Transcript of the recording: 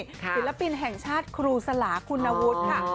ศิลปินแห่งชาติครูสลาคุณวุฒิค่ะ